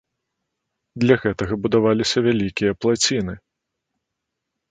Для гэтага будаваліся вялікія плаціны.